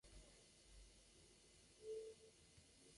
El Equipo Guerrero es invocado al rescate.